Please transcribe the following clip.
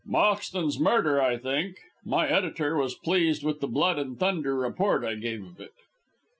"Moxton's murder, I think. My editor was pleased with the blood and thunder report I gave of it."